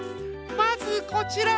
まずこちら。